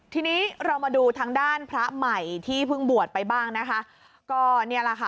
ทีนี้เรามาดูทางด้านพระใหม่ที่เพิ่งบวชไปบ้างนะคะ